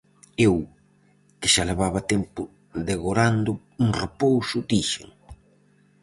Eu, que xa levaba tempo degorando un repouso, dixen: